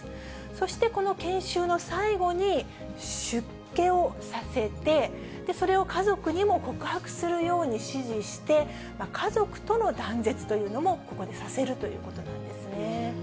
そしてこの研修の最後に、出家をさせて、それを家族にも告白するように指示して、家族との断絶というのもここでさせるということなんですね。